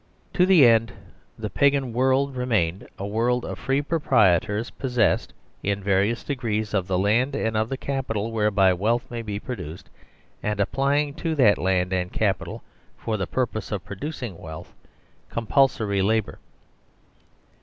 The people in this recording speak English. To the end the Pagan world remained a world of free proprietors possessed, in various degrees, of the land and of the capital whereby wealth may be produced, and applying to that land and capital for the pur pose of producing wealth, compulsory labour.